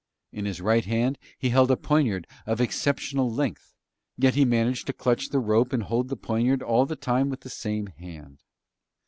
In his right hand he held a poniard of exceptional length, yet he managed to clutch the rope and hold the poniard all the time with the same hand.